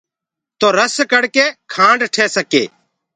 تآکي رس ڪڙ ڪي کآنڊ ٺي سڪي۔